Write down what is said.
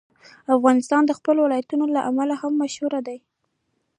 افغانستان د خپلو ولایتونو له امله هم مشهور دی.